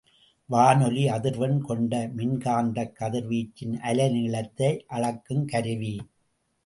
வானொலி அதிர்வெண் கொண்ட மின்காந்தக் கதிர்வீச்சின் அலைநீளத்தை அளக்குங் கருவி.